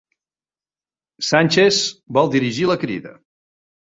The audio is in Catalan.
Sánchez vol dirigir la Crida